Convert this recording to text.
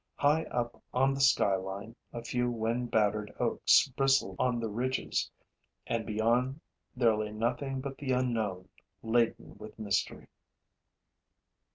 High up on the skyline, a few wind battered oaks bristled on the ridges; and beyond there lay nothing but the unknown, laden with mystery.